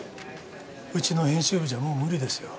うちの編集部じゃもう無理ですよ。